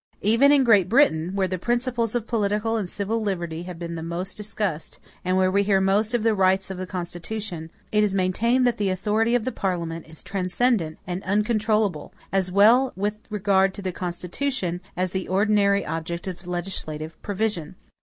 Even in Great Britain, where the principles of political and civil liberty have been most discussed, and where we hear most of the rights of the Constitution, it is maintained that the authority of the Parliament is transcendent and uncontrollable, as well with regard to the Constitution, as the ordinary objects of legislative provision.